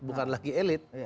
bukan lagi elit